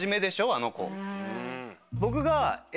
あの子。